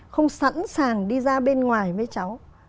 không sẵn sàng đi ra bên ngoài với cháu